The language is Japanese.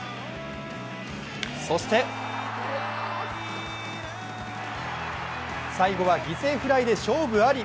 そして最後は犠牲フライで勝負あり。